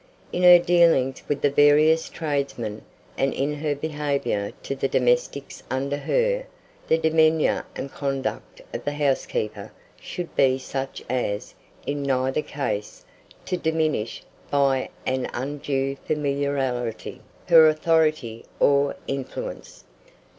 In her dealings with the various tradesmen, and in her behaviour to the domestics under her, the demeanour and conduct of the housekeeper should be such as, in neither case, to diminish, by an undue familiarity, her authority or influence.